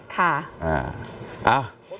ค่ะ